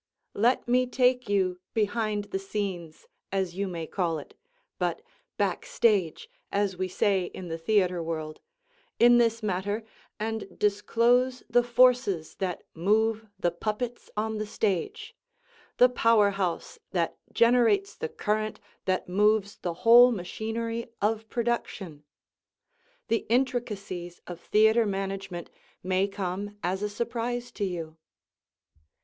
Let me take you "behind the scenes," as you may call it, but "back stage," as we say in the theatre world, in this matter and disclose the forces that move the puppets on the stage; the powerhouse that generates the current that moves the whole machinery of production. The intricacies of theatre management may come as a surprise to you.